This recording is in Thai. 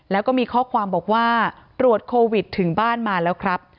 แล้วก็มีข้อความบอกว่าตรวจโควิดถึงบ้านมาแล้วครับ